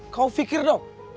kau fikir dong